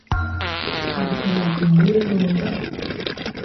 Abatabaazi mbeegoomba.